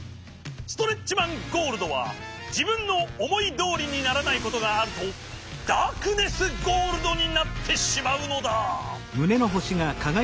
ストレッチマン・ゴールドはじぶんのおもいどおりにならないことがあるとダークネス・ゴールドになってしまうのだ。